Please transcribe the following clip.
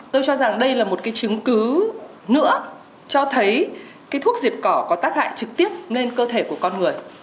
tôi cho rằng đây là một cái chứng cứ nữa cho thấy cái thuốc diệt cỏ có tác hại trực tiếp lên cơ thể của con người